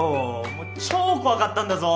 もう超怖かったんだぞ。